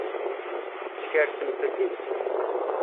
Teskerksem fell-i.